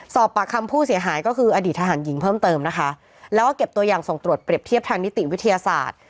สอบปากคำผู้เสียหายก็คืออดีตทหารหญิงเพิ่มเติมนะคะแล้วก็เก็บตัวอย่างส่งตรวจเปรียบเทียบทางนิติวิทยาศาสตร์